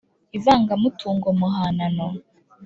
ivangamutungo muhahano: